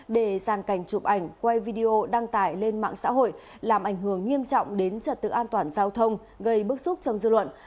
để giàn cảnh chụp ảnh quay video đăng tải lên mạng xã hội làm ảnh hưởng nghiêm trọng đến trật tự an toàn giao thông gây bức xúc trong dư luận